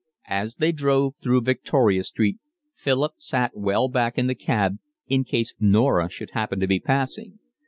As they drove through Victoria Street Philip sat well back in the cab in case Norah should happen to be passing.